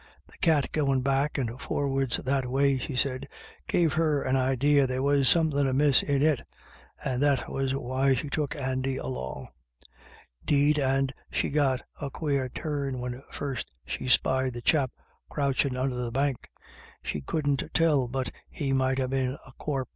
The cat goin* back and for'ards that way," she said, " gave her an idee there was somethin* amiss in it, and that was why she took Andy along. 'Deed and she got a quare turn when first she spied the chap croochin' under the bank — she couldn't tell but he might ha* been a corp."